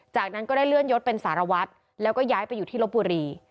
จากนั้นก็ได้เลื่อนยศเป็นสารวัตรแล้วก็ย้ายไปอยู่ที่ลบบุรี